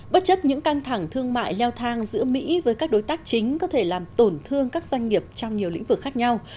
bất chấp những căng thẳng thương mại leo thang giữa mỹ với các đối tác chính có thể làm tổn thương các doanh nghiệp trong nhiều lĩnh vực khác nhau